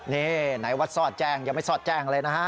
นี่ไหนวัดซอดแจ้งยังไม่ซอดแจ้งเลยนะฮะ